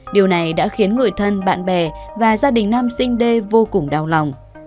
điều này đã khiến người thân bạn bè và gia đình nam sinh đê vô cùng đau lòng